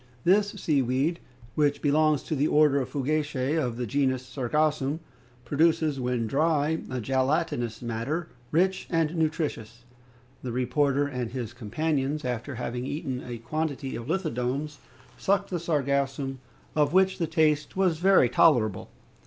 This sea weed, which belongs to the order of Fucacae, of the genus Sargassum, produces, when dry, a gelatinous matter, rich and nutritious. The reporter and his companions, after having eaten a quantity of lithodomes, sucked the sargassum, of which the taste was very tolerable.